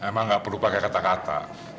emang nggak perlu pakai kata kata